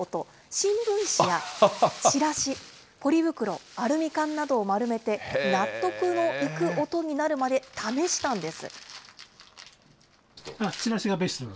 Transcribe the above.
新聞紙やチラシ、ポリ袋、アルミ缶などを丸めて、納得のいく音になるまで試したんです。